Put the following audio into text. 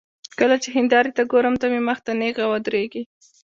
کله چې هندارې ته ګورم، ته مې مخ ته نېغه ودرېږې